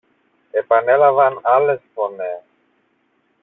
επανέλαβαν άλλες φωνές.